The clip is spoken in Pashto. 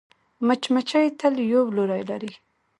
مچمچۍ تل یو لوری لري